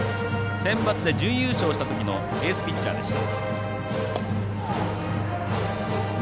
センバツで準優勝したときのエースピッチャーでした。